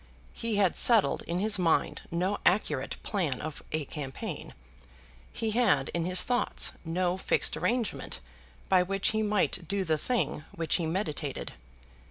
He had settled in his mind no accurate plan of a campaign; he had in his thoughts no fixed arrangement by which he might do the thing which he meditated.